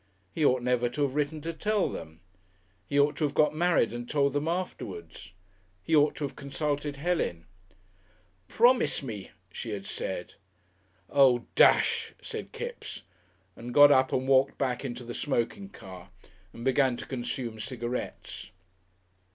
He ought never to have written to tell them! He ought to have got married and told them afterwards. He ought to have consulted Helen. "Promise me," she had said. "Oh, desh!" said Kipps, and got up and walked back into the smoking car and began to consume cigarettes.